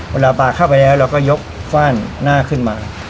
เวลาปลาเข้าไปแล้วเราก็ยกฟ่านหน้าขึ้นมา